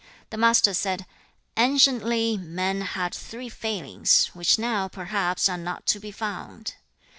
The Master said, 'Anciently, men had three failings, which now perhaps are not to be found.